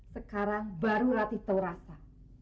sekarang baru rati taurasa